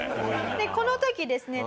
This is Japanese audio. でこの時ですね